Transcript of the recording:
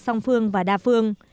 song phương và đa phương